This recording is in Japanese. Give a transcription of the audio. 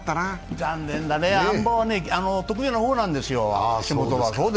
残念だね、あん馬は得意な方なんですよ、橋本は。